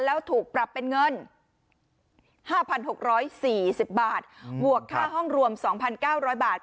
แล้วถูกปรับเป็นเงินห้าพันหกร้อยสี่สิบบาทหวกค่าห้องรวมสองพันเก้าร้อยบาท